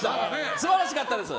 素晴らしかったです。